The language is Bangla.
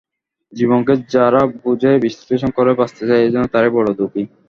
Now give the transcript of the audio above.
জীবনকে যারা বুঝে, বিশ্লেষণ করে বাঁচতে চায় এইজন্য তারা বড় দুঃখী।